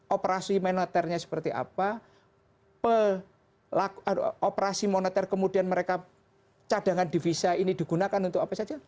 operasi moneternya seperti apa operasi moneter kemudian mereka cadangan divisa ini digunakan untuk apa saja